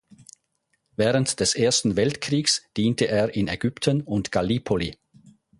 Während des Ersten Weltkriegs diente er in Ägypten und Gallipoli.